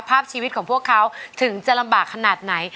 ภาพชีวิตของพวกเขาถึงจะลำบากขนาดไหน